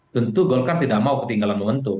tentu golkar tidak mau ketinggalan momentum